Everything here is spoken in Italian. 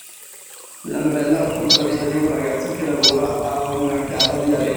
La novella racconta la vita di un ragazzo che lavora a una cava di arena.